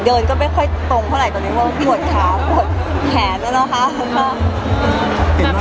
เดินก็ไม่แพงตรงเท่าไหร่ว่ารวดขาวและแขน